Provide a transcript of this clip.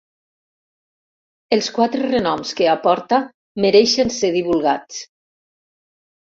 Els quatre renoms que aporta mereixen ser divulgats.